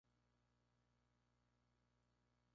Actualmente trabaja para el equipo Leopard Trek.